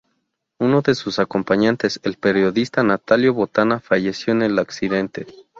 Uno de sus acompañantes, el periodista Natalio Botana, falleció en el accidente.